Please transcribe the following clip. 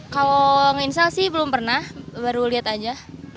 kalau menginstal sih belum pernah baru lihat saja